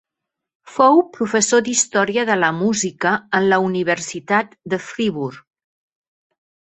Fou professor d'història de la Música en la Universitat de Friburg.